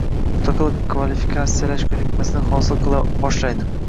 mustaqil kvalifikatsiyalash ko‘nikmasini hosil qila boshlaydi.